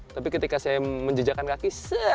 tapi ketika saya menjejakan kaki